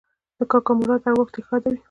د کاکا مراد اوراح دې ښاده وي